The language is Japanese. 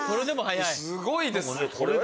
すごいですね。